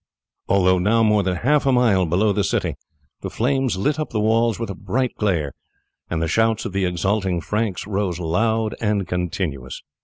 Although now more than half a mile below the city the flames lit up the walls with a bright glare, and the shouts of the exulting Franks rose loud and continuous.